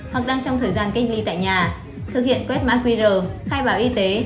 hoặc đang trong thời gian cách ly tại nhà thực hiện quét mát quy rờ khai báo y tế